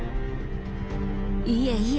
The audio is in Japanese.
いえいえ